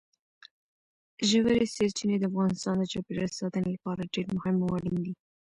ژورې سرچینې د افغانستان د چاپیریال ساتنې لپاره ډېر مهم او اړین دي.